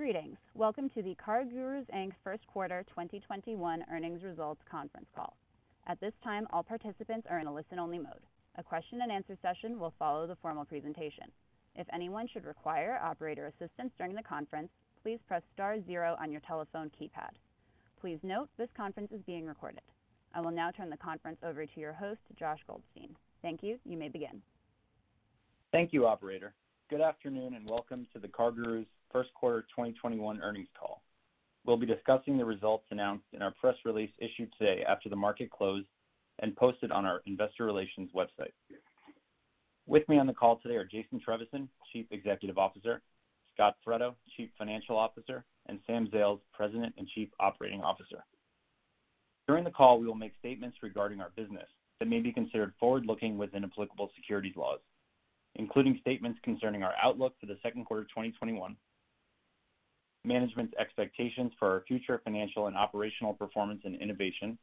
Greetings. Welcome to the CarGurus, Inc's first quarter 2021 earnings results conference call. At this time, all participants are in a listen-only mode. A question and answer session will follow the formal presentation. If anyone should require operator assistance during the conference, please press star zero on your telephone keypad. Please note, this conference is being recorded. I will now turn the conference over to your host, Josh Goldstein. Thank you. You may begin. Thank you, operator. Good afternoon. Welcome to the CarGurus first quarter 2021 earnings call. We'll be discussing the results announced in our press release issued today after the market closed and posted on our investor relations website. With me on the call today are Jason Trevisan, Chief Executive Officer, Scot Fredo, Chief Financial Officer, and Sam Zales, President and Chief Operating Officer. During the call, we will make statements regarding our business that may be considered forward-looking within applicable securities laws, including statements concerning our outlook for the second quarter 2021, management's expectations for our future financial and operational performance and innovation,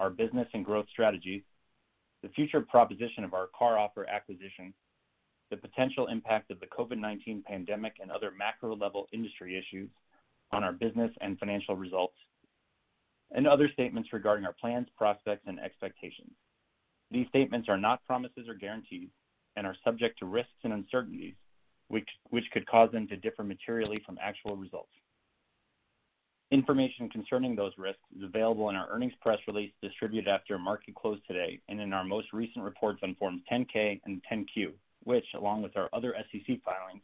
our business and growth strategy, the future proposition of our CarOffer acquisition, the potential impact of the COVID-19 pandemic and other macro level industry issues on our business and financial results, and other statements regarding our plans, prospects, and expectations. These statements are not promises or guarantees and are subject to risks and uncertainties, which could cause them to differ materially from actual results. Information concerning those risks is available in our earnings press release distributed after market close today and in our most recent reports on forms 10-K and 10-Q, which, along with our other SEC filings,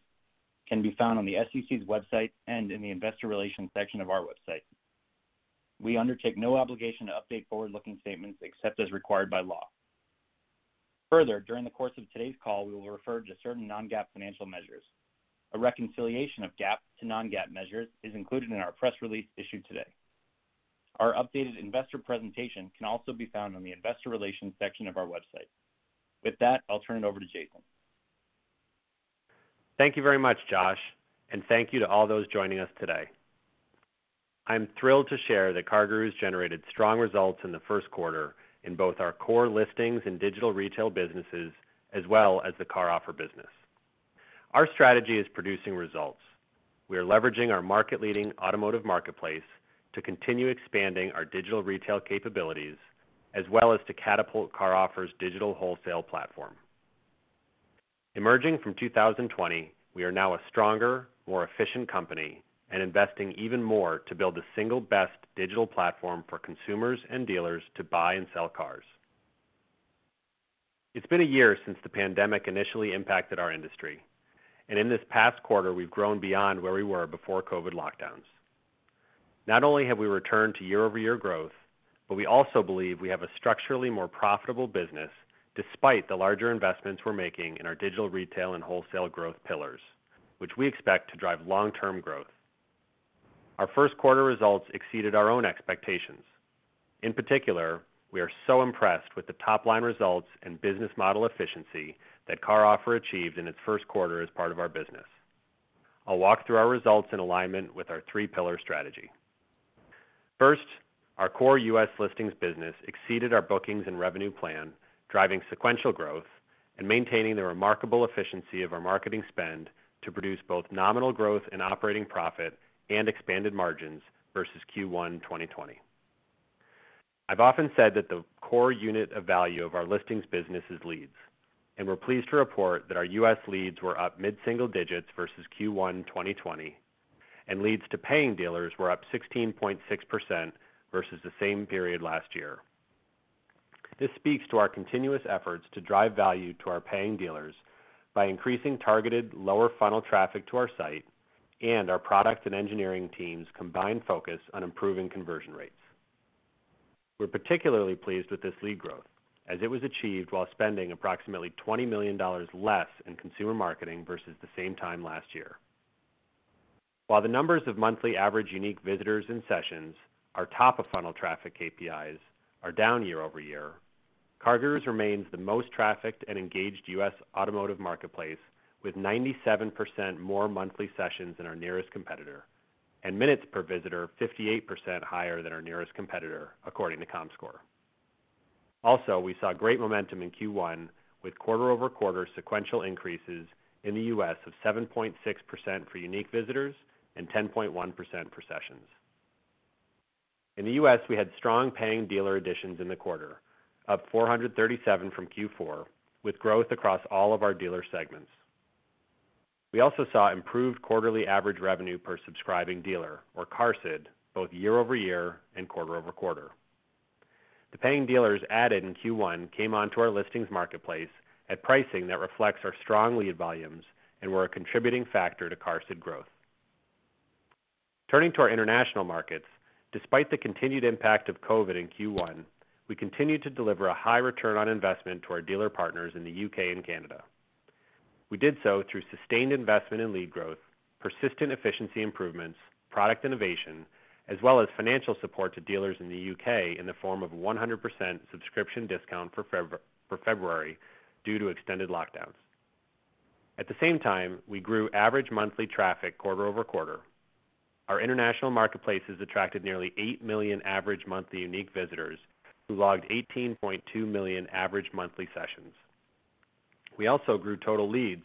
can be found on the SEC's website and in the investor relations section of our website. We undertake no obligation to update forward-looking statements except as required by law. Further, during the course of today's call, we will refer to certain non-GAAP financial measures. A reconciliation of GAAP to non-GAAP measures is included in our press release issued today. Our updated investor presentation can also be found on the investor relations section of our website. With that, I'll turn it over to Jason. Thank you very much, Josh, and thank you to all those joining us today. I'm thrilled to share that CarGurus generated strong results in the first quarter in both our core listings and digital retail businesses, as well as the CarOffer business. Our strategy is producing results. We are leveraging our market-leading automotive marketplace to continue expanding our digital retail capabilities, as well as to catapult CarOffer's digital wholesale platform. Emerging from 2020, we are now a stronger, more efficient company and investing even more to build the single best digital platform for consumers and dealers to buy and sell cars. It's been a year since the pandemic initially impacted our industry, and in this past quarter, we've grown beyond where we were before COVID lockdowns. Not only have we returned to year-over-year growth, we also believe we have a structurally more profitable business despite the larger investments we're making in our digital retail and wholesale growth pillars, which we expect to drive long-term growth. Our first quarter results exceeded our own expectations. In particular, we are so impressed with the top-line results and business model efficiency that CarOffer achieved in its first quarter as part of our business. I'll walk through our results in alignment with our three-pillar strategy. First, our core U.S. listings business exceeded our bookings and revenue plan, driving sequential growth and maintaining the remarkable efficiency of our marketing spend to produce both nominal growth and operating profit and expanded margins versus Q1 2020. I've often said that the core unit of value of our listings business is leads. We're pleased to report that our U.S. leads were up mid-single digits versus Q1 2020. Leads to paying dealers were up 16.6% versus the same period last year. This speaks to our continuous efforts to drive value to our paying dealers by increasing targeted lower funnel traffic to our site and our product and engineering team's combined focus on improving conversion rates. We're particularly pleased with this lead growth as it was achieved while spending approximately $20 million less in consumer marketing versus the same time last year. While the numbers of monthly average unique visitors and sessions, our top-of-funnel traffic KPIs, are down year-over-year, CarGurus remains the most trafficked and engaged U.S. automotive marketplace with 97% more monthly sessions than our nearest competitor, and minutes per visitor 58% higher than our nearest competitor, according to Comscore. Also, we saw great momentum in Q1 with quarter-over-quarter sequential increases in the U.S. of 7.6% for unique visitors and 10.1% for sessions. In the U.S., we had strong paying dealer additions in the quarter, up 437 from Q4, with growth across all of our dealer segments. We also saw improved Quarterly Average Revenue per Subscribing Dealer, or QARSD, both year-over-year and quarter-over-quarter. The paying dealers added in Q1 came onto our listings marketplace at pricing that reflects our strong lead volumes and were a contributing factor to QARSD growth. Turning to our international markets, despite the continued impact of COVID-19 in Q1, we continued to deliver a high return on investment to our dealer partners in the U.K. and Canada. We did so through sustained investment in lead growth, persistent efficiency improvements, product innovation, as well as financial support to dealers in the U.K. in the form of a 100% subscription discount for February due to extended lockdowns. At the same time, we grew average monthly traffic quarter-over-quarter. Our international marketplaces attracted nearly 8 million average monthly unique visitors who logged 18.2 million average monthly sessions. We also grew total leads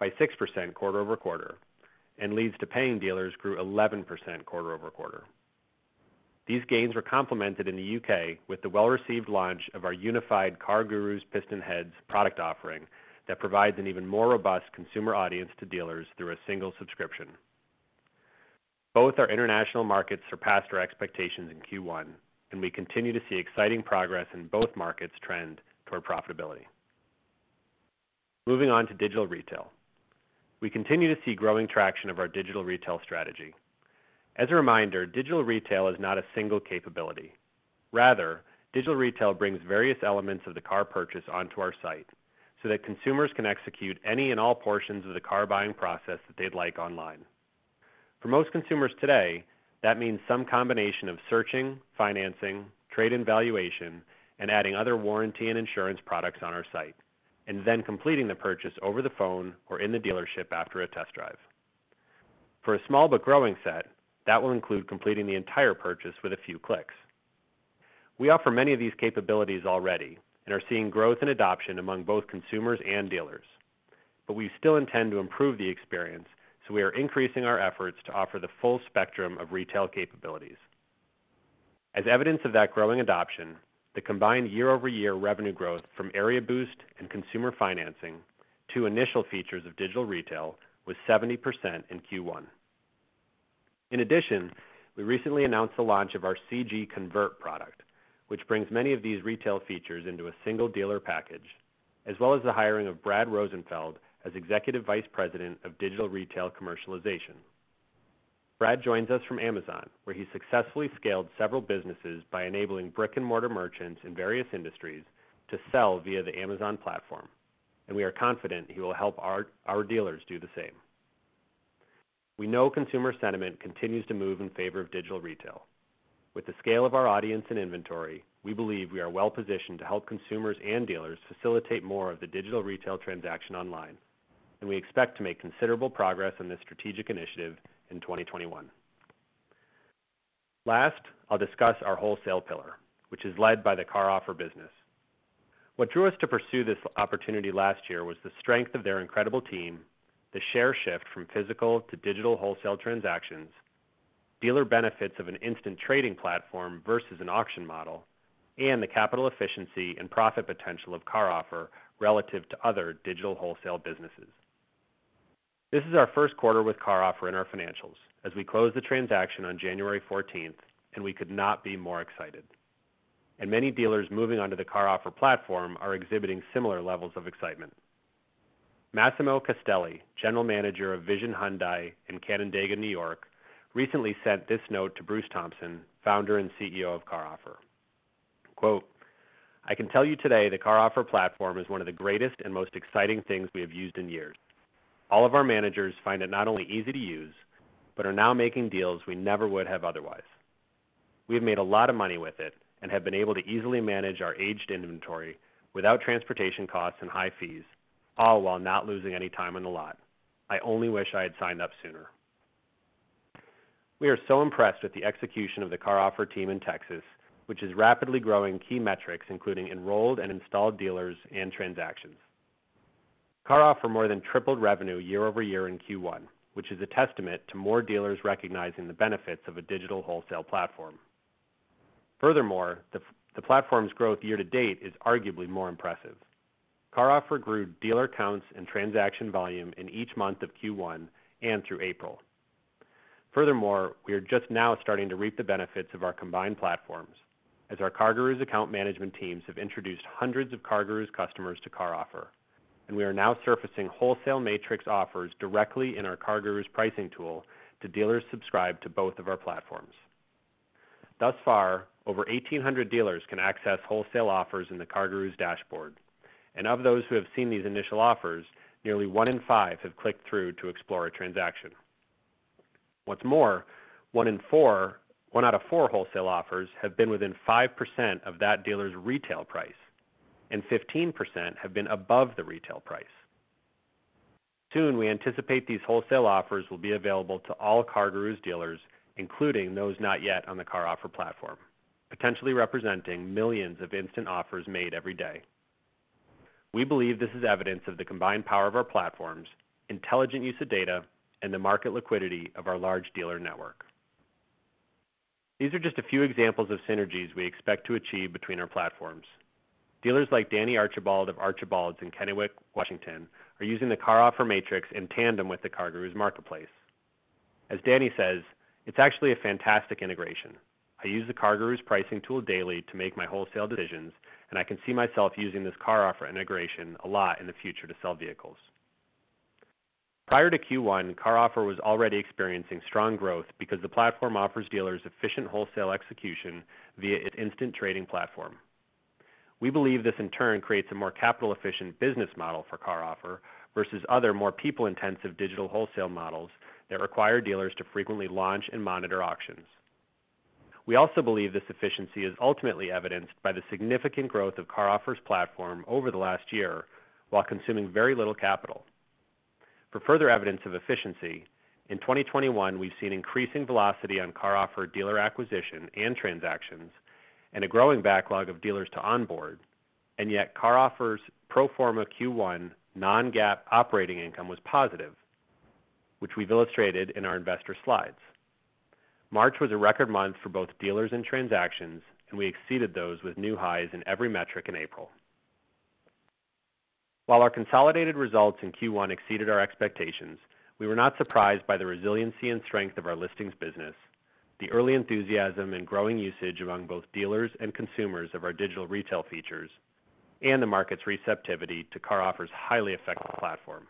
by 6% quarter-over-quarter, and leads to paying dealers grew 11% quarter-over-quarter. These gains were complemented in the U.K. with the well-received launch of our unified CarGurus/PistonHeads product offering that provides an even more robust consumer audience to dealers through a single subscription. Both our international markets surpassed our expectations in Q1, and we continue to see exciting progress in both markets trend toward profitability. Moving on to digital retail. We continue to see growing traction of our digital retail strategy. As a reminder, digital retail is not a single capability. Rather, digital retail brings various elements of the car purchase onto our site so that consumers can execute any and all portions of the car buying process that they'd like online. For most consumers today, that means some combination of searching, financing, trade-in valuation, and adding other warranty and insurance products on our site, and then completing the purchase over the phone or in the dealership after a test drive. For a small but growing set, that will include completing the entire purchase with a few clicks. We offer many of these capabilities already and are seeing growth and adoption among both consumers and dealers, but we still intend to improve the experience, so we are increasing our efforts to offer the full spectrum of retail capabilities. As evidence of that growing adoption, the combined year-over-year revenue growth from Area Boost and consumer financing to initial features of digital retail was 70% in Q1. In addition, we recently announced the launch of our CG Convert product, which brings many of these retail features into a single dealer package, as well as the hiring of Brad Rosenfeld as Executive Vice President of Digital Retail Commercialization. Brad joins us from Amazon, where he successfully scaled several businesses by enabling brick-and-mortar merchants in various industries to sell via the Amazon platform, and we are confident he will help our dealers do the same. We know consumer sentiment continues to move in favor of digital retail. With the scale of our audience and inventory, we believe we are well positioned to help consumers and dealers facilitate more of the digital retail transaction online, and we expect to make considerable progress on this strategic initiative in 2021. Last, I'll discuss our wholesale pillar, which is led by the CarOffer business. What drew us to pursue this opportunity last year was the strength of their incredible team, the share shift from physical to digital wholesale transactions, dealer benefits of an instant trading platform versus an auction model, and the capital efficiency and profit potential of CarOffer relative to other digital wholesale businesses. This is our first quarter with CarOffer in our financials as we closed the transaction on January 14th, and we could not be more excited, and many dealers moving on to the CarOffer platform are exhibiting similar levels of excitement. Massimo Castelli, General Manager of Vision Hyundai in Canandaigua, New York, recently sent this note to Bruce Thompson, Founder and CEO of CarOffer. "I can tell you today the CarOffer platform is one of the greatest and most exciting things we have used in years. All of our managers find it not only easy to use but are now making deals we never would have otherwise. We have made a lot of money with it and have been able to easily manage our aged inventory without transportation costs and high fees, all while not losing any time on the lot. I only wish I had signed up sooner." We are so impressed with the execution of the CarOffer team in Texas, which is rapidly growing key metrics including enrolled and installed dealers and transactions. CarOffer more than tripled revenue year-over-year in Q1, which is a testament to more dealers recognizing the benefits of a digital wholesale platform. Furthermore, the platform's growth year-to-date is arguably more impressive. CarOffer grew dealer counts and transaction volume in each month of Q1 and through April. Furthermore, we are just now starting to reap the benefits of our combined platforms as our CarGurus account management teams have introduced hundreds of CarGurus customers to CarOffer, and we are now surfacing wholesale matrix offers directly in our CarGurus pricing tool to dealers subscribed to both of our platforms. Thus far, over 1,800 dealers can access wholesale offers in the CarGurus dashboard, and of those who have seen these initial offers, nearly one in five have clicked through to explore a transaction. What's more, one out of four wholesale offers have been within 5% of that dealer's retail price, and 15% have been above the retail price. Soon, we anticipate these wholesale offers will be available to all CarGurus dealers, including those not yet on the CarOffer platform, potentially representing millions of instant offers made every day. We believe this is evidence of the combined power of our platforms, intelligent use of data, and the market liquidity of our large dealer network. These are just a few examples of synergies we expect to achieve between our platforms. Dealers like Danny Archibald of Archibald's in Kennewick, Washington, are using the CarOffer matrix in tandem with the CarGurus marketplace. As Danny says, "It's actually a fantastic integration. I use the CarGurus pricing tool daily to make my wholesale decisions, and I can see myself using this CarOffer integration a lot in the future to sell vehicles." Prior to Q1, CarOffer was already experiencing strong growth because the platform offers dealers efficient wholesale execution via its instant trading platform. We believe this, in turn, creates a more capital-efficient business model for CarOffer versus other more people-intensive digital wholesale models that require dealers to frequently launch and monitor auctions. We also believe this efficiency is ultimately evidenced by the significant growth of CarOffer's platform over the last year, while consuming very little capital. For further evidence of efficiency, in 2021, we've seen increasing velocity on CarOffer dealer acquisition and transactions, and a growing backlog of dealers to onboard, and yet CarOffer's pro forma Q1 non-GAAP operating income was positive, which we've illustrated in our investor slides. March was a record month for both dealers and transactions, and we exceeded those with new highs in every metric in April. While our consolidated results in Q1 exceeded our expectations, we were not surprised by the resiliency and strength of our listings business, the early enthusiasm and growing usage among both dealers and consumers of our digital retail features, and the market's receptivity to CarOffer's highly effective platform.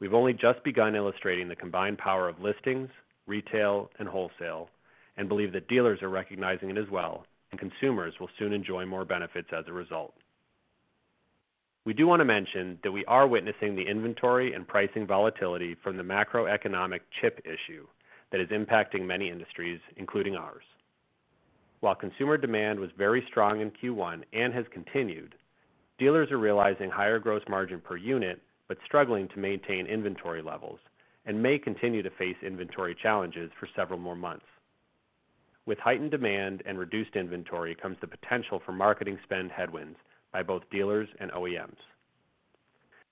We've only just begun illustrating the combined power of listings, retail, and wholesale, and believe that dealers are recognizing it as well, and consumers will soon enjoy more benefits as a result. We do want to mention that we are witnessing the inventory and pricing volatility from the macroeconomic chip issue that is impacting many industries, including ours. While consumer demand was very strong in Q1 and has continued, dealers are realizing higher gross margin per unit but struggling to maintain inventory levels, and may continue to face inventory challenges for several more months. With heightened demand and reduced inventory comes the potential for marketing spend headwinds by both dealers and OEMs.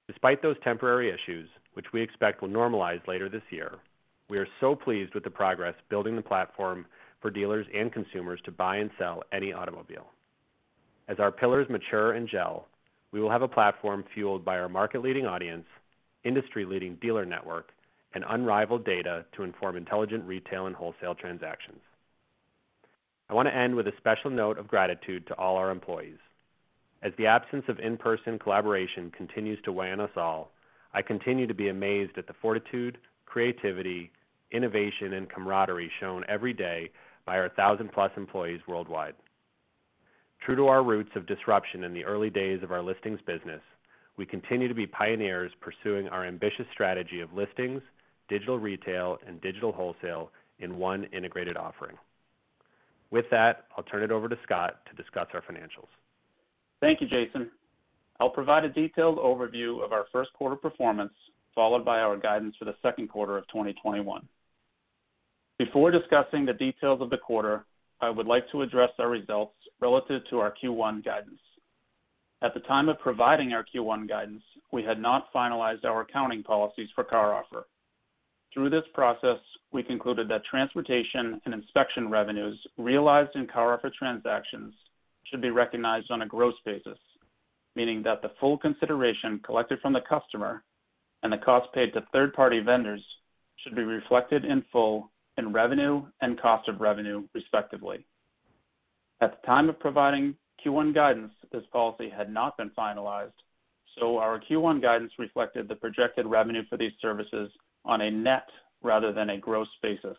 Despite those temporary issues, which we expect will normalize later this year, we are so pleased with the progress building the platform for dealers and consumers to buy and sell any automobile. As our pillars mature and gel, we will have a platform fueled by our market-leading audience, industry-leading dealer network, and unrivaled data to inform intelligent retail and wholesale transactions. I want to end with a special note of gratitude to all our employees. As the absence of in-person collaboration continues to weigh on us all, I continue to be amazed at the fortitude, creativity, innovation, and camaraderie shown every day by our 1,000+ employees worldwide. True to our roots of disruption in the early days of our listings business, we continue to be pioneers pursuing our ambitious strategy of listings, digital retail, and digital wholesale in one integrated offering. With that, I'll turn it over to Scot to discuss our financials. Thank you, Jason. I'll provide a detailed overview of our first quarter performance, followed by our guidance for the second quarter of 2021. Before discussing the details of the quarter, I would like to address our results relative to our Q1 guidance. At the time of providing our Q1 guidance, we had not finalized our accounting policies for CarOffer. Through this process, we concluded that transportation and inspection revenues realized in CarOffer transactions should be recognized on a gross basis, meaning that the full consideration collected from the customer and the cost paid to third-party vendors should be reflected in full in revenue and cost of revenue, respectively. At the time of providing Q1 guidance, this policy had not been finalized, so our Q1 guidance reflected the projected revenue for these services on a net rather than a gross basis.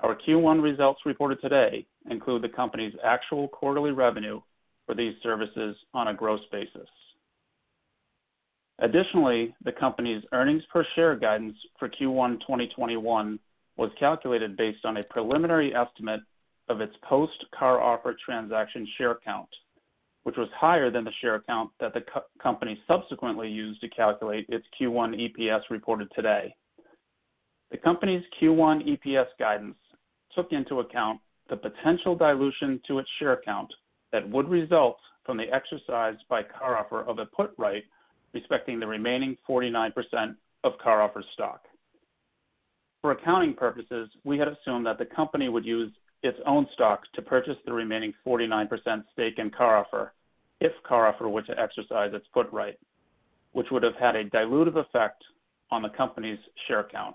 Our Q1 results reported today include the company's actual quarterly revenue for these services on a gross basis. Additionally, the company's earnings per share guidance for Q1 2021 was calculated based on a preliminary estimate of its post CarOffer transaction share count, which was higher than the share count that the company subsequently used to calculate its Q1 EPS reported today. The company's Q1 EPS guidance took into account the potential dilution to its share count that would result from the exercise by CarOffer of a put right respecting the remaining 49% of CarOffer's stock. For accounting purposes, we had assumed that the company would use its own stocks to purchase the remaining 49% stake in CarOffer if CarOffer were to exercise its put right, which would have had a dilutive effect on the company's share count.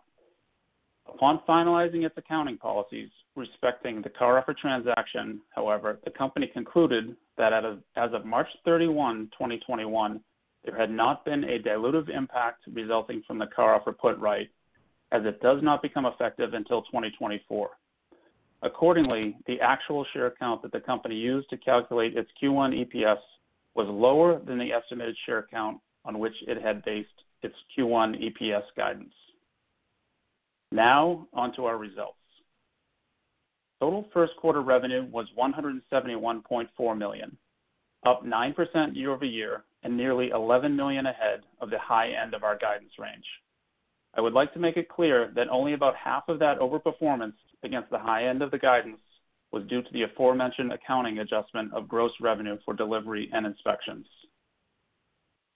Upon finalizing its accounting policies respecting the CarOffer transaction, however, the company concluded that as of March 31, 2021, there had not been a dilutive impact resulting from the CarOffer put right, as it does not become effective until 2024. Accordingly, the actual share count that the company used to calculate its Q1 EPS was lower than the estimated share count on which it had based its Q1 EPS guidance. Now on to our results. Total first quarter revenue was $171.4 million, up 9% year-over-year and nearly $11 million ahead of the high end of our guidance range. I would like to make it clear that only about half of that over performance against the high end of the guidance was due to the aforementioned accounting adjustment of gross revenue for delivery and inspections.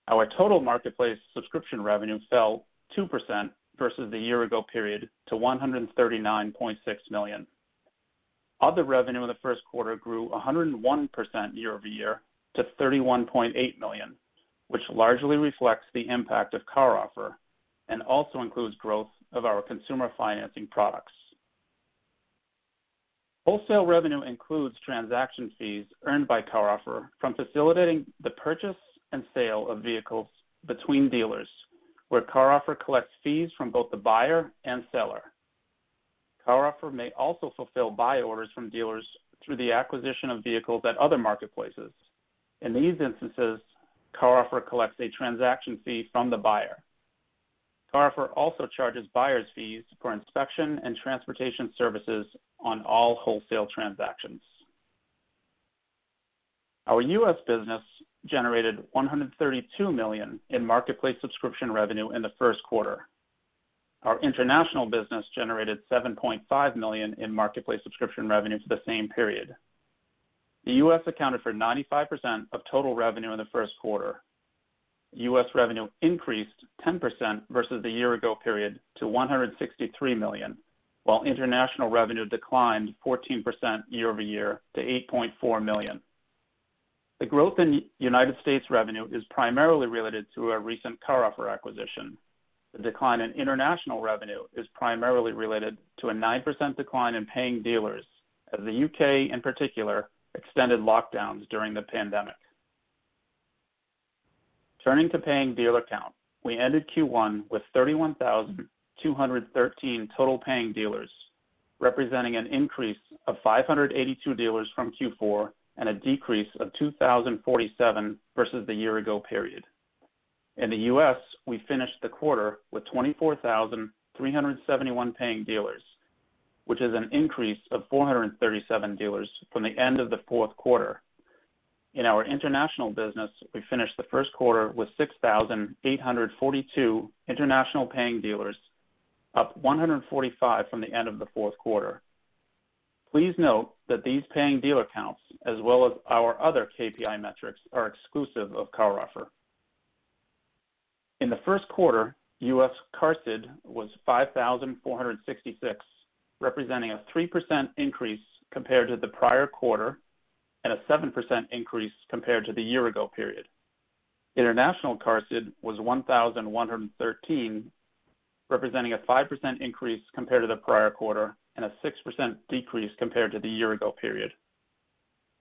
Our total marketplace subscription revenue fell 2% versus the year-ago period to $139.6 million. Other revenue in the first quarter grew 101% year-over-year to $31.8 million, which largely reflects the impact of CarOffer and also includes growth of our consumer financing products. Wholesale revenue includes transaction fees earned by CarOffer from facilitating the purchase and sale of vehicles between dealers, where CarOffer collects fees from both the buyer and seller. CarOffer may also fulfill buy orders from dealers through the acquisition of vehicles at other marketplaces. In these instances, CarOffer collects a transaction fee from the buyer. CarOffer also charges buyers fees for inspection and transportation services on all wholesale transactions. Our U.S. business generated $132 million in marketplace subscription revenue in the first quarter. Our international business generated $7.5 million in marketplace subscription revenue for the same period. The U.S. accounted for 95% of total revenue in the first quarter. U.S. revenue increased 10% versus the year-ago period to $163 million, while international revenue declined 14% year-over-year to $8.4 million. The growth in U.S. revenue is primarily related to a recent CarOffer acquisition. The decline in international revenue is primarily related to a 9% decline in paying dealers as the U.K., in particular, extended lockdowns during the pandemic. Turning to paying dealer count, we ended Q1 with 31,213 total paying dealers, representing an increase of 582 dealers from Q4 and a decrease of 2,047 versus the year-ago period. In the U.S., we finished the quarter with 24,371 paying dealers, which is an increase of 437 dealers from the end of the fourth quarter. In our international business, we finished the first quarter with 6,842 international paying dealers, up 145 from the end of the fourth quarter. Please note that these paying dealer counts, as well as our other KPI metrics, are exclusive of CarOffer. In the first quarter, U.S. QARSD was 5,466, representing a 3% increase compared to the prior quarter and a 7% increase compared to the year-ago period. International QARSD was 1,113, representing a 5% increase compared to the prior quarter and a 6% decrease compared to the year-ago period.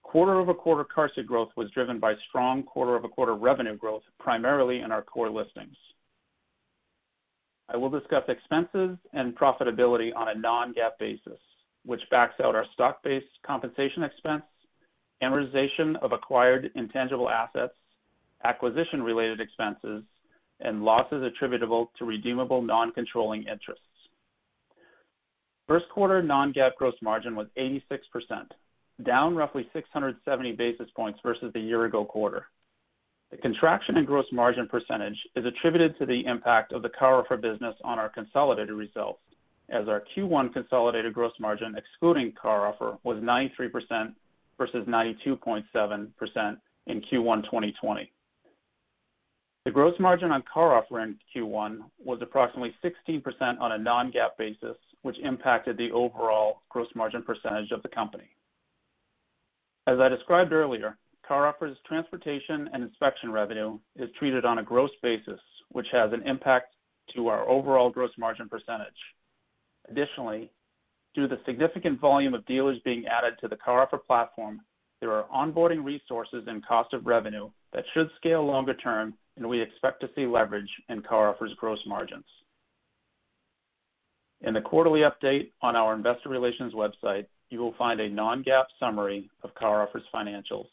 Quarter-over-quarter QARSD growth was driven by strong quarter-over-quarter revenue growth, primarily in our core listings. I will discuss expenses and profitability on a non-GAAP basis, which backs out our stock-based compensation expense, amortization of acquired intangible assets, acquisition related expenses, and losses attributable to redeemable non-controlling interests. First quarter non-GAAP gross margin was 86%, down roughly 670 basis points versus the year ago quarter. The contraction in gross margin percentage is attributed to the impact of the CarOffer business on our consolidated results as our Q1 consolidated gross margin excluding CarOffer was 93% versus 92.7% in Q1 2020. The gross margin on CarOffer in Q1 was approximately 16% on a non-GAAP basis, which impacted the overall gross margin percentage of the company. As I described earlier, CarOffer's transportation and inspection revenue is treated on a gross basis, which has an impact to our overall gross margin percentage. Additionally, due to the significant volume of dealers being added to the CarOffer platform, there are onboarding resources and cost of revenue that should scale longer term, and we expect to see leverage in CarOffer's gross margins. In the quarterly update on our investor relations website, you will find a non-GAAP summary of CarOffer's financials,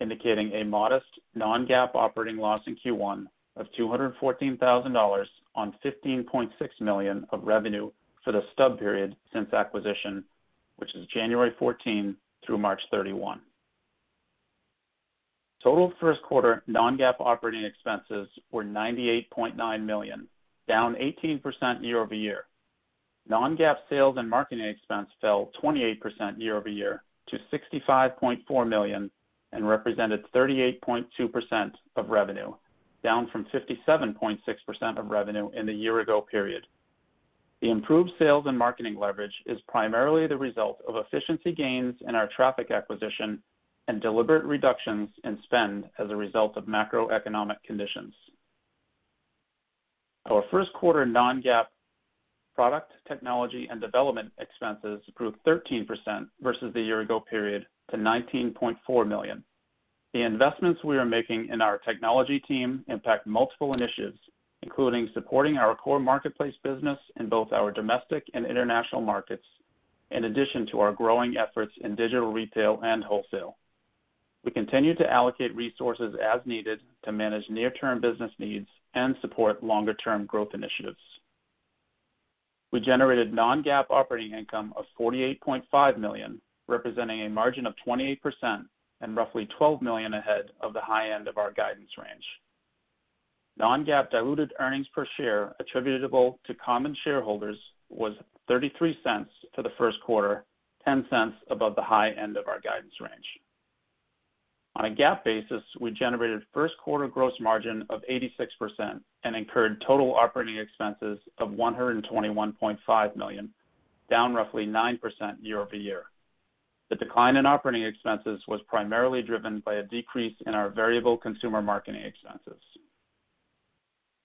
indicating a modest non-GAAP operating loss in Q1 of $214,000 on $15.6 million of revenue for the stub period since acquisition, which is January 14 through March 31. Total first quarter non-GAAP operating expenses were $98.9 million, down 18% year-over-year. Non-GAAP sales and marketing expense fell 28% year-over-year to $65.4 million and represented 38.2% of revenue, down from 57.6% of revenue in the year ago period. The improved sales and marketing leverage is primarily the result of efficiency gains in our traffic acquisition and deliberate reductions in spend as a result of macroeconomic conditions. Our first quarter non-GAAP product technology and development expenses grew 13% versus the year ago period to $19.4 million. The investments we are making in our technology team impact multiple initiatives, including supporting our core marketplace business in both our domestic and international markets, in addition to our growing efforts in digital, retail, and wholesale. We continue to allocate resources as needed to manage near term business needs and support longer term growth initiatives. We generated non-GAAP operating income of $48.5 million, representing a margin of 28% and roughly $12 million ahead of the high end of our guidance range. Non-GAAP diluted earnings per share attributable to common shareholders was $0.33 for the first quarter, $0.10 above the high end of our guidance range. On a GAAP basis, we generated first quarter gross margin of 86% and incurred total operating expenses of $121.5 million, down roughly 9% year-over-year. The decline in operating expenses was primarily driven by a decrease in our variable consumer marketing expenses.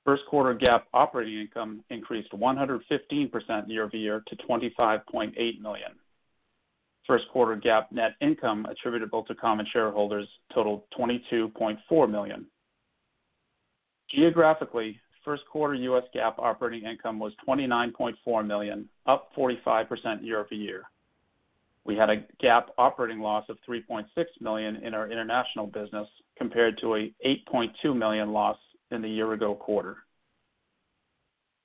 First quarter GAAP operating income increased 115% year over year to $25.8 million. First quarter GAAP net income attributable to common shareholders totaled $22.4 million. Geographically, first quarter U.S. GAAP operating income was $29.4 million, up 45% year-over-year. We had a GAAP operating loss of $3.6 million in our international business, compared to a $8.2 million loss in the year ago quarter.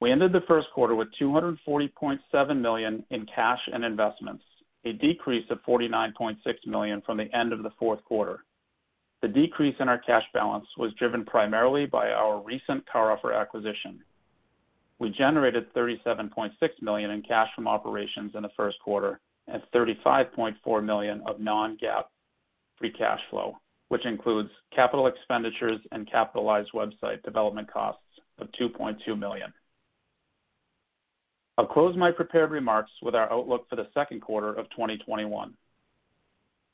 We ended the first quarter with $240.7 million in cash and investments, a decrease of $49.6 million from the end of the fourth quarter. The decrease in our cash balance was driven primarily by our recent CarOffer acquisition. We generated $37.6 million in cash from operations in the first quarter and $35.4 million of non-GAAP free cash flow, which includes capital expenditures and capitalized website development costs of $2.2 million. I'll close my prepared remarks with our outlook for the second quarter of 2021.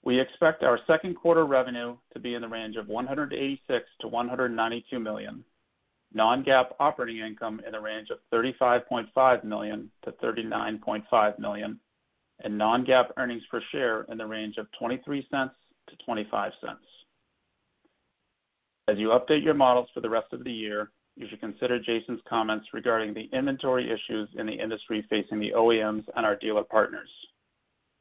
We expect our second quarter revenue to be in the range of $186 million-$192 million, non-GAAP operating income in the range of $35.5 million-$39.5 million, and non-GAAP earnings per share in the range of $0.23-$0.25. As you update your models for the rest of the year, you should consider Jason's comments regarding the inventory issues in the industry facing the OEMs and our dealer partners.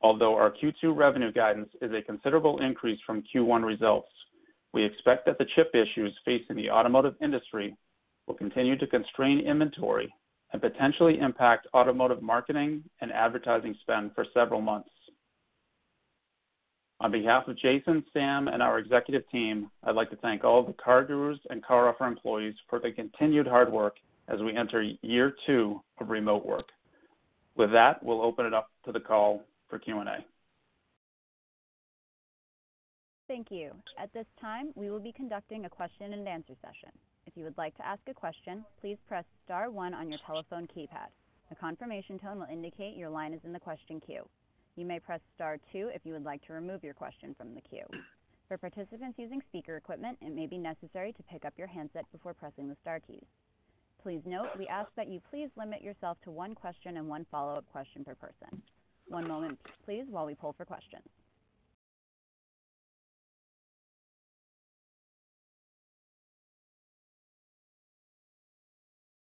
Although our Q2 revenue guidance is a considerable increase from Q1 results, we expect that the chip issues facing the automotive industry will continue to constrain inventory and potentially impact automotive marketing and advertising spend for several months. On behalf of Jason, Sam, and our executive team, I'd like to thank all of the CarGurus and CarOffer employees for their continued hard work as we enter year two of remote work. With that, we'll open it up to the call for Q&A. Thank you. At this time, we will be conducting a question and answer session. If you would like to ask a question, please press star one on your telephone keypad. A confirmation tone will indicate your line is in the question queue. You may press star two if you would like to remove your question from the queue. For participants using speaker equipment, it may be necessary to pick up your handset before pressing the star keys. Please note, we ask that you please limit yourself to one question and one follow-up question per person. One moment please while we pull for questions.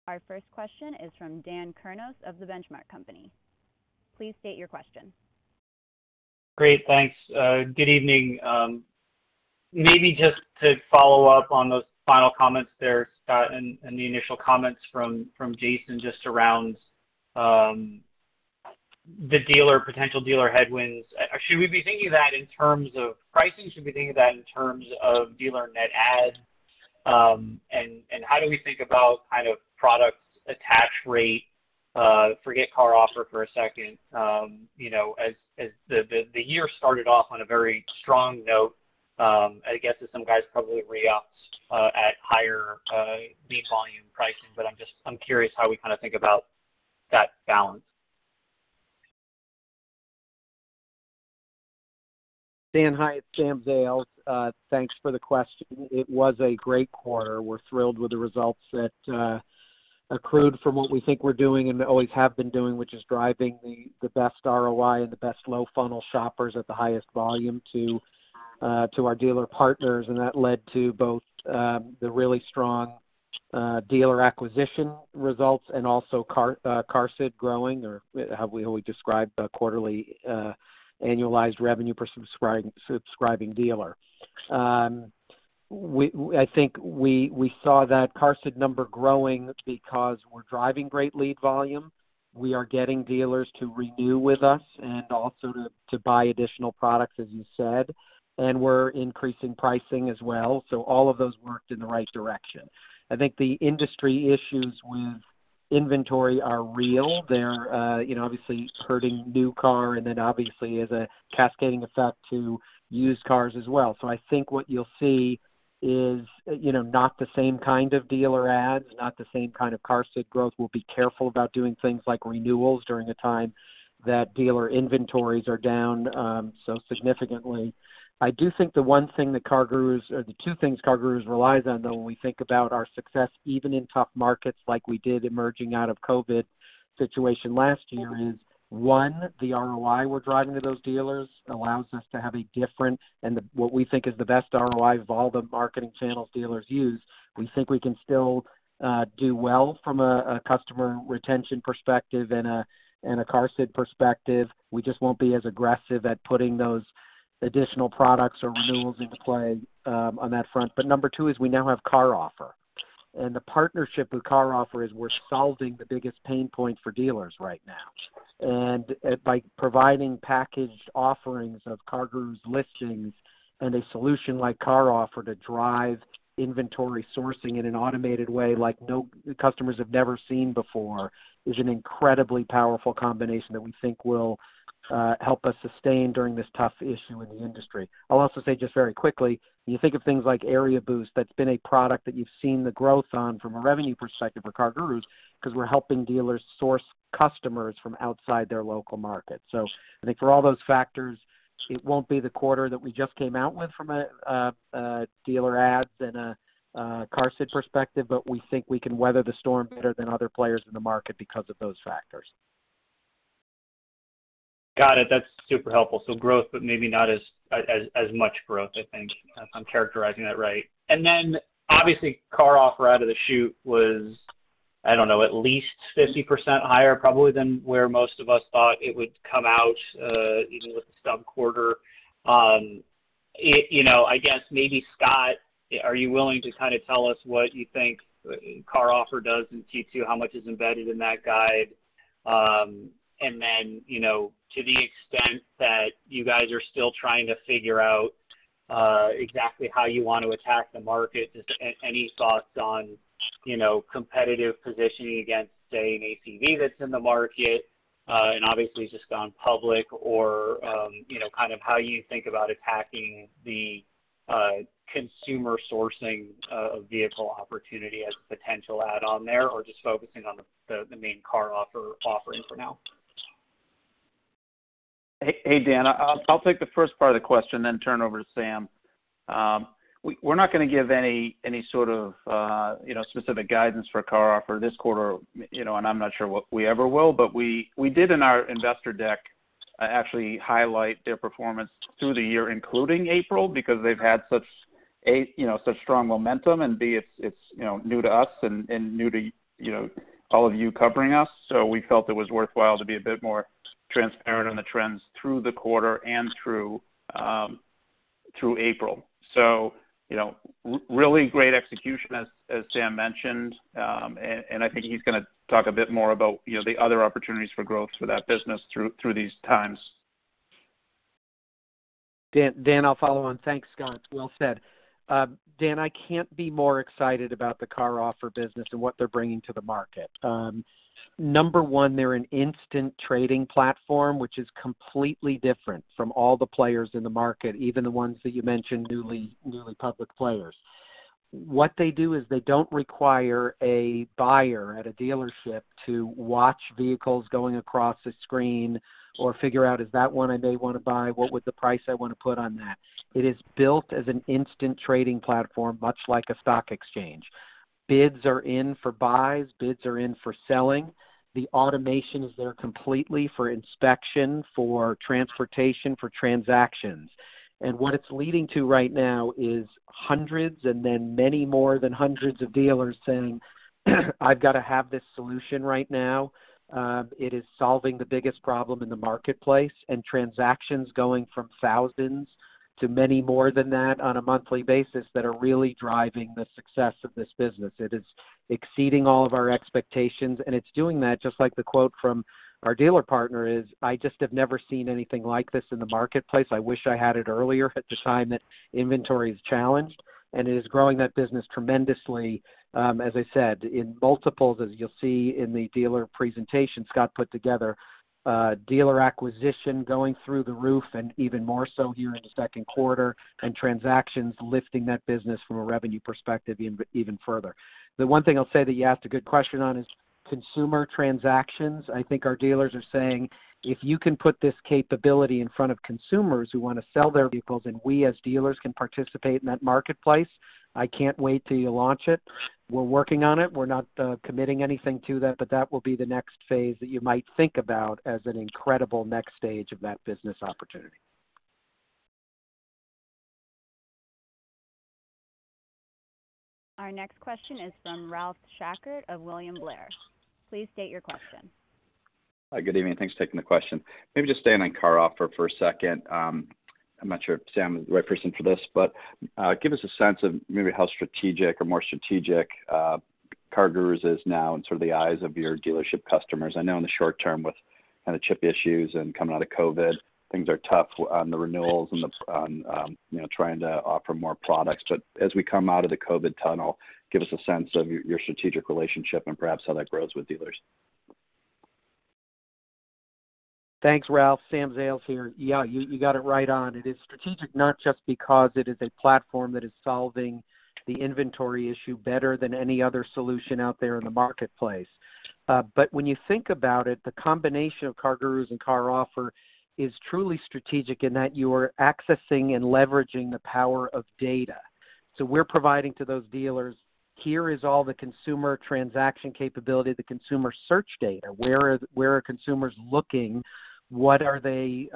Our first question is from Dan Kurnos of The Benchmark Company. Please state your question. Great. Thanks. Good evening. Maybe just to follow up on those final comments there, Scot, and the initial comments from Jason just around the potential dealer headwinds. Should we be thinking of that in terms of pricing? Should we be thinking of that in terms of dealer net add? How do we think about kind of product attach rate, forget CarOffer for a second, as the year started off on a very strong note, I guess as some guys probably re-opt at higher lead volume pricing. I'm curious how we kind of think about that balance. Dan, hi. It's Sam Zales. Thanks for the question. It was a great quarter. We're thrilled with the results that accrued from what we think we're doing and always have been doing, which is driving the best ROI and the best low funnel shoppers at the highest volume to our dealer partners. That led to both the really strong dealer acquisition results and also QARSD growing, or how we describe quarterly annualized revenue per subscribing dealer. I think we saw that QARSD number growing because we're driving great lead volume. We are getting dealers to renew with us and also to buy additional products, as you said. We're increasing pricing as well. All of those worked in the right direction. I think the industry issues with inventory are real. They're obviously hurting new car and then obviously as a cascading effect to used cars as well. I think what you'll see is not the same kind of dealer adds, not the same kind of QARSD growth. We'll be careful about doing things like renewals during a time that dealer inventories are down so significantly. I do think the one thing that CarGurus, or the two things CarGurus relies on though, when we think about our success, even in tough markets like we did emerging out of COVID-19 situation last year, is one, the ROI we're driving to those dealers allows us to have a different and what we think is the best ROI of all the marketing channels dealers use. We think we can still do well from a customer retention perspective and a QARSD perspective. We just won't be as aggressive at putting those additional products or renewals into play on that front. Number two is we now have CarOffer. The partnership with CarOffer is we're solving the biggest pain point for dealers right now. By providing packaged offerings of CarGurus listings and a solution like CarOffer to drive inventory sourcing in an automated way like customers have never seen before, is an incredibly powerful combination that we think will help us sustain during this tough issue in the industry. I'll also say just very quickly, when you think of things like Area Boost, that's been a product that you've seen the growth on from a revenue perspective for CarGurus because we're helping dealers source customers from outside their local market. I think for all those factors, it won't be the quarter that we just came out with from a dealer adds and a QARSD perspective, but we think we can weather the storm better than other players in the market because of those factors. Got it. That's super helpful. Growth, but maybe not as much growth, I think, if I'm characterizing that right. Obviously CarOffer out of the chute was, I don't know, at least 50% higher probably than where most of us thought it would come out, even with the stub quarter. I guess maybe, Scot, are you willing to tell us what you think CarOffer does in Q2? How much is embedded in that guide? To the extent that you guys are still trying to figure out exactly how you want to attack the market, just any thoughts on competitive positioning against, say, an ACV that's in the market, and obviously just gone public or kind of how you think about attacking the consumer sourcing of vehicle opportunity as a potential add-on there, or just focusing on the main CarOffer offering for now. Hey, Dan. I'll take the first part of the question, then turn it over to Sam. We're not going to give any sort of specific guidance for CarOffer this quarter, and I'm not sure we ever will. We did in our investor deck actually highlight their performance through the year, including April, because they've had such strong momentum and, B, it's new to us and new to all of you covering us. We felt it was worthwhile to be a bit more transparent on the trends through the quarter and through April. Really great execution as Sam mentioned. I think he's going to talk a bit more about the other opportunities for growth for that business through these times. Dan, I'll follow on. Thanks, Scot. Well said. Dan, I can't be more excited about the CarOffer business and what they're bringing to the market. Number one, they're an instant trading platform, which is completely different from all the players in the market, even the ones that you mentioned, newly public players. What they do is they don't require a buyer at a dealership to watch vehicles going across a screen or figure out, is that one I may want to buy? What would the price I want to put on that? It is built as an instant trading platform, much like a stock exchange. Bids are in for buys, bids are in for selling. The automation is there completely for inspection, for transportation, for transactions. What it's leading to right now is hundreds and then many more than hundreds of dealers saying, "I've got to have this solution right now." It is solving the biggest problem in the marketplace, and transactions going from thousands to many more than that on a monthly basis that are really driving the success of this business. It is exceeding all of our expectations, and it's doing that just like the quote from our dealer partner is, "I just have never seen anything like this in the marketplace. I wish I had it earlier at the time that inventory is challenged." It is growing that business tremendously, as I said, in multiples, as you'll see in the dealer presentation Scot put together. Dealer acquisition going through the roof and even more so here in the second quarter, and transactions lifting that business from a revenue perspective even further. The one thing I'll say that you asked a good question on is consumer transactions. I think our dealers are saying, "If you can put this capability in front of consumers who want to sell their vehicles, and we as dealers can participate in that marketplace, I can't wait till you launch it." We're working on it. We're not committing anything to that, but that will be the next phase that you might think about as an incredible next stage of that business opportunity. Our next question is from Ralph Schackart of William Blair. Please state your question. Hi, good evening. Thanks for taking the question. Maybe just staying on CarOffer for a second. I'm not sure if Sam is the right person for this, but give us a sense of maybe how strategic or more strategic CarGurus is now in sort of the eyes of your dealership customers. I know in the short term with kind of chip issues and coming out of COVID, things are tough on the renewals and on trying to offer more products. As we come out of the COVID tunnel, give us a sense of your strategic relationship and perhaps how that grows with dealers. Thanks, Ralph. Sam Zales here. Yeah, you got it right on. It is strategic not just because it is a platform that is solving the inventory issue better than any other solution out there in the marketplace. When you think about it, the combination of CarGurus and CarOffer is truly strategic in that you are accessing and leveraging the power of data. We're providing to those dealers, here is all the consumer transaction capability, the consumer search data. Where are consumers looking? What are they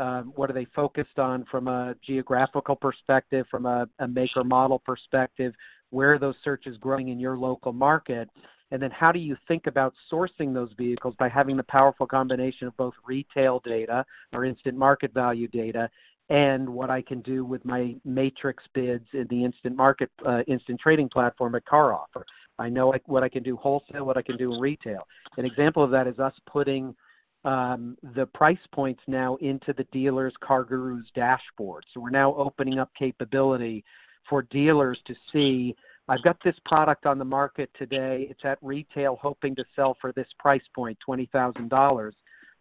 focused on from a geographical perspective, from a maker model perspective? Where are those searches growing in your local market? Then how do you think about sourcing those vehicles by having the powerful combination of both retail data or instant market value data, and what I can do with my matrix bids in the instant trading platform at CarOffer. I know what I can do wholesale, what I can do retail. An example of that is us putting the price points now into the dealers CarGurus dashboard. We're now opening up capability for dealers to see, I've got this product on the market today. It's at retail, hoping to sell for this price point, $20,000.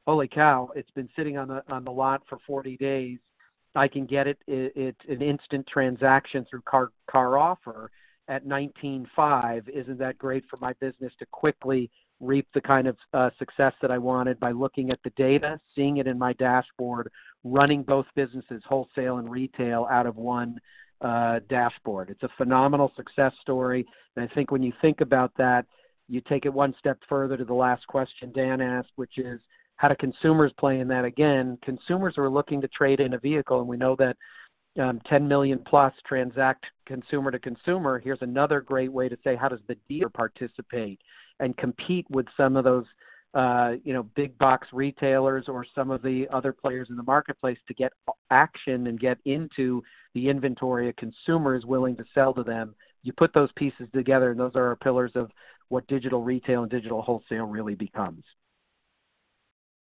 Holy cow. It's been sitting on the lot for 40 days. I can get it. It's an instant transaction through CarOffer at $19,500. Isn't that great for my business to quickly reap the kind of success that I wanted by looking at the data, seeing it in my dashboard? Running both businesses, wholesale and retail, out of one dashboard. It's a phenomenal success story. I think when you think about that, you take it one step further to the last question Dan asked, which is, how do consumers play in that? Again, consumers who are looking to trade in a vehicle, and we know that 10 million+ transact consumer to consumer. Here's another great way to say how does the dealer participate and compete with some of those big box retailers or some of the other players in the marketplace to get action and get into the inventory a consumer is willing to sell to them. You put those pieces together, and those are our pillars of what digital retail and digital wholesale really becomes.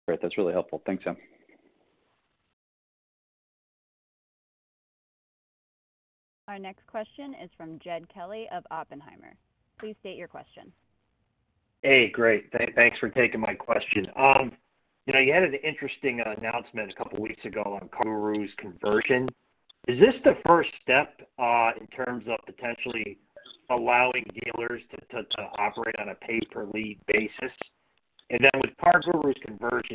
Great. That's really helpful. Thanks, Sam. Our next question is from Jed Kelly of Oppenheimer. Please state your question. Hey, great. Thanks for taking my question. You had an interesting announcement a couple of weeks ago on CarGurus Convert. Is this the first step in terms of potentially allowing dealers to operate on a pay per lead basis? With CarGurus Convert,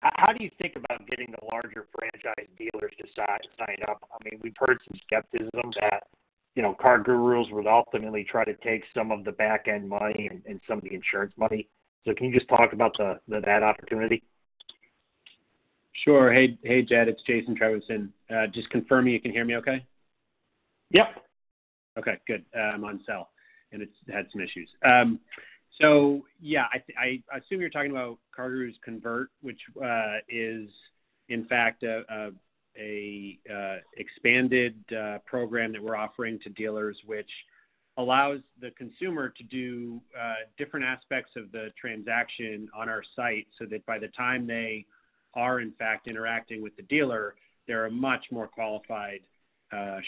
how do you think about getting the larger franchise dealers to sign up? We've heard some skepticism that CarGurus would ultimately try to take some of the back-end money and some of the insurance money. Can you just talk about that opportunity? Sure. Hey, Jed, it's Jason Trevisan. Just confirm you can hear me okay? Yep. Okay, good. I'm on cell, it's had some issues. Yeah, I assume you're talking about CarGurus Convert, which is in fact an expanded program that we're offering to dealers, which allows the consumer to do different aspects of the transaction on our site so that by the time they are in fact interacting with the dealer, they're a much more qualified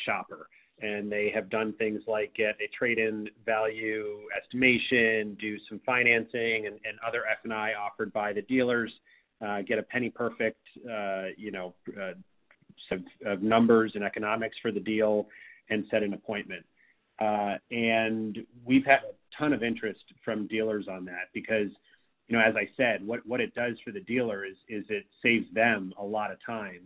shopper. They have done things like get a trade-in value estimation, do some financing, and other F&I offered by the dealers, get a penny perfect set of numbers and economics for the deal, and set an appointment. We've had a ton of interest from dealers on that because, as I said, what it does for the dealer is it saves them a lot of time.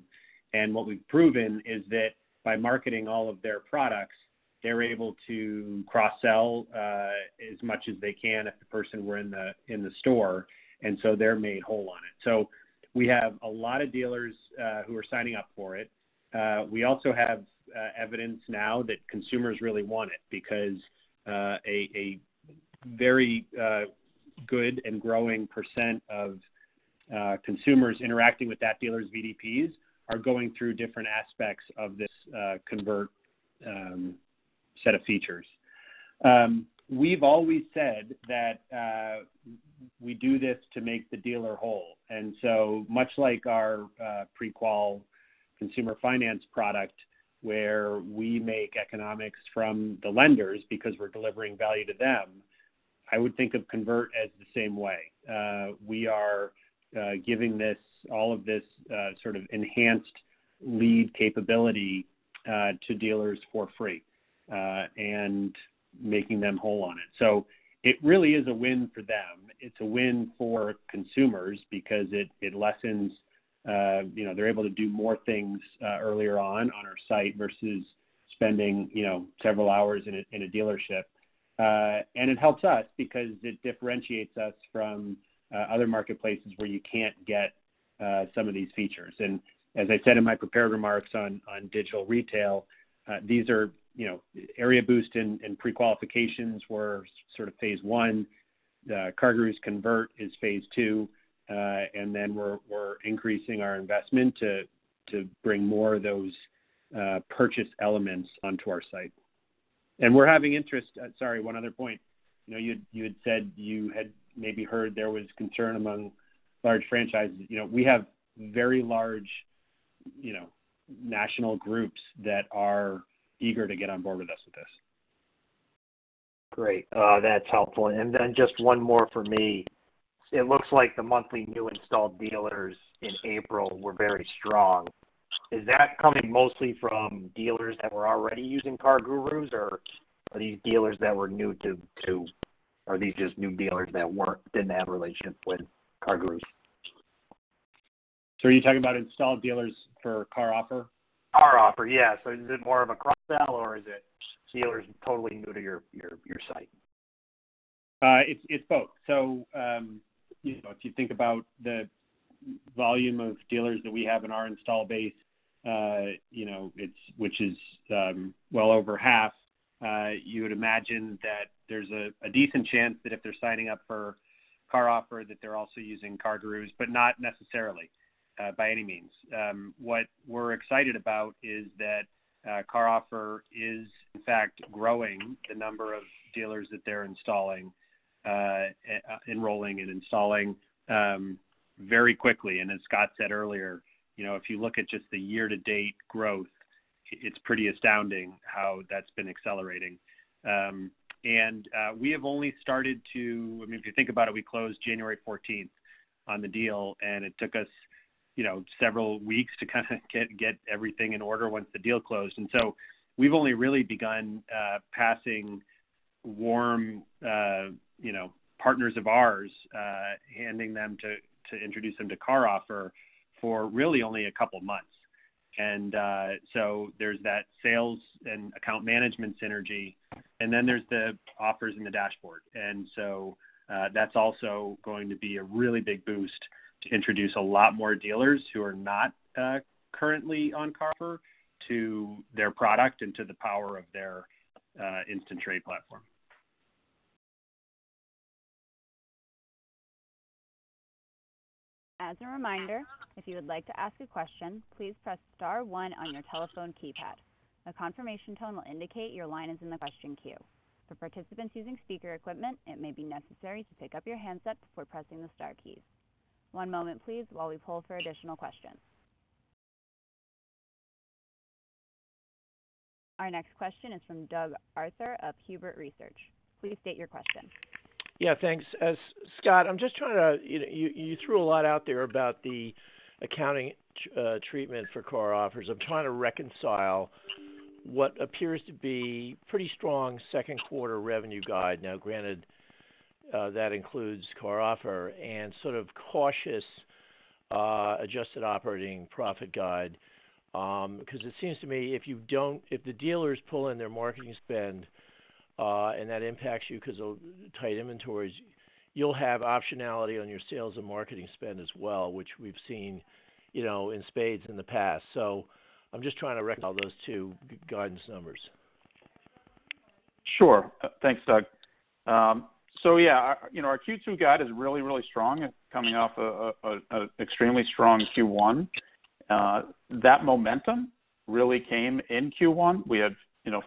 What we've proven is that by marketing all of their products, they're able to cross-sell as much as they can if the person were in the store. They're made whole on it. We have a lot of dealers who are signing up for it. We also have evidence now that consumers really want it because a very good and growing percent of consumers interacting with that dealer's VDPs are going through different aspects of this Convert set of features. We've always said that we do this to make the dealer whole, and so much like our pre-qual consumer finance product where we make economics from the lenders because we're delivering value to them, I would think of Convert as the same way. We are giving all of this sort of enhanced lead capability to dealers for free, and making them whole on it. It really is a win for them. It's a win for consumers because they're able to do more things earlier on on our site versus spending several hours in a dealership. It helps us because it differentiates us from other marketplaces where you can't get some of these features. As I said in my prepared remarks on digital retail, Area Boost and pre-qualifications were sort of Phase 1. CarGurus Convert is Phase 2. Then we're increasing our investment to bring more of those purchase elements onto our site. Sorry, one other point. You had said you had maybe heard there was concern among large franchises. We have very large national groups that are eager to get on board with us with this. Great. That's helpful. Just one more from me. It looks like the monthly new installed dealers in April were very strong. Is that coming mostly from dealers that were already using CarGurus, or are these just new dealers that didn't have a relationship with CarGurus? Are you talking about installed dealers for CarOffer? CarOffer, yeah. Is it more of a cross-sell, or is it dealers totally new to your site? It's both. If you think about the volume of dealers that we have in our install base, which is well over half, you would imagine that there's a decent chance that if they're signing up for CarOffer, that they're also using CarGurus, but not necessarily, by any means. What we're excited about is that CarOffer is in fact growing the number of dealers that they're enrolling and installing very quickly. As Scot said earlier, if you look at just the year-to-date growth, it's pretty astounding how that's been accelerating. If you think about it, we closed January 14th on the deal, and it took us several weeks to kind of get everything in order once the deal closed. We've only really begun passing warm partners of ours, handing them to introduce them to CarOffer for really only a couple of months. There's that sales and account management synergy, and then there's the offers in the dashboard. That's also going to be a really big boost to introduce a lot more dealers who are not currently on CarOffer to their product and to the power of their Instant Trade platform. As a reminder if you would like to ask a question please press star one on your telephone keypad. The confirmation tone will indicate your line is in the question queue. For participants using speaker equipment it maybe necessary to pickup your handset before pressing the star key. One moment please before we compile the additional questions. Our next question is from Doug Arthur of Huber Research. Please state your question. Yeah, thanks. Scot, you threw a lot out there about the accounting treatment for CarOffer. I'm trying to reconcile what appears to be pretty strong second quarter revenue guide. Now granted, that includes CarOffer, and sort of cautious adjusted operating profit guide. It seems to me if the dealers pull in their marketing spend and that impacts you because of tight inventories, you'll have optionality on your sales and marketing spend as well, which we've seen in spades in the past. I'm just trying to reconcile those two guidance numbers. Thanks, Doug. Our Q2 guide is really strong coming off an extremely strong Q1. That momentum really came in Q1. We had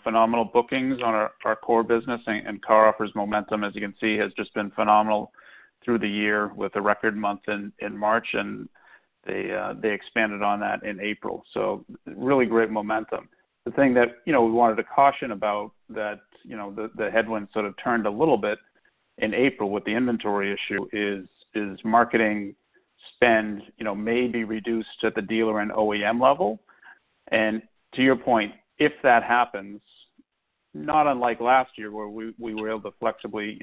phenomenal bookings on our core business. CarOffer's momentum, as you can see, has just been phenomenal through the year with a record month in March, and they expanded on that in April. Really great momentum. The thing that we wanted to caution about that the headwinds sort of turned a little bit in April with the inventory issue is marketing spend may be reduced at the dealer and OEM level. To your point, if that happens, not unlike last year where we were able to flexibly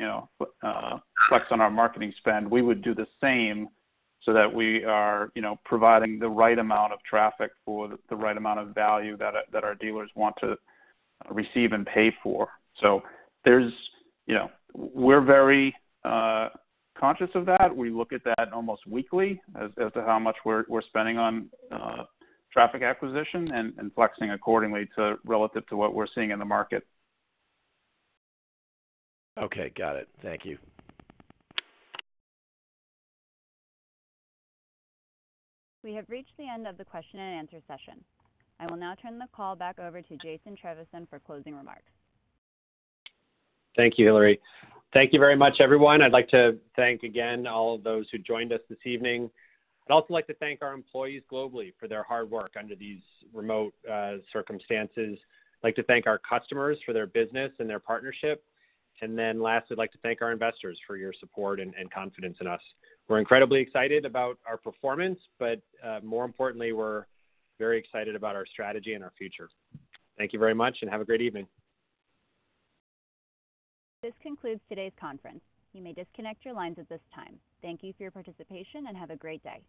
flex on our marketing spend, we would do the same so that we are providing the right amount of traffic for the right amount of value that our dealers want to receive and pay for. We're very conscious of that. We look at that almost weekly as to how much we're spending on traffic acquisition and flexing accordingly relative to what we're seeing in the market. Okay, got it. Thank you. We have reached the end of the question and answer session. I will now turn the call back over to Jason Trevisan for closing remarks. Thank you, Hillary. Thank you very much, everyone. I'd like to thank again all of those who joined us this evening. I'd also like to thank our employees globally for their hard work under these remote circumstances. I'd like to thank our customers for their business and their partnership. Lastly, I'd like to thank our investors for your support and confidence in us. We're incredibly excited about our performance, but more importantly, we're very excited about our strategy and our future. Thank you very much and have a great evening. This concludes today's conference. You may disconnect your lines at this time. Thank you for your participation and have a great day.